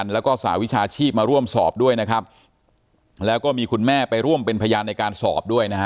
แล้วก็สหวิชาชีพมาร่วมสอบด้วยนะครับแล้วก็มีคุณแม่ไปร่วมเป็นพยานในการสอบด้วยนะฮะ